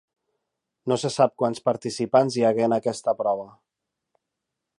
No se sap quants participants hi hagué en aquesta prova.